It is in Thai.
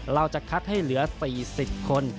เราจะคัดให้เหลือ๔๐คน